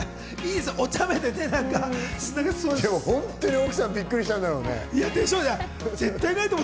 でも本当に奥さんびっくりしたんだろうね。